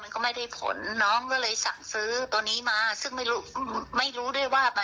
ครับ